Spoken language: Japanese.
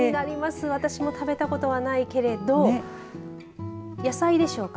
私も食べたことはないけれど野菜でしょうか。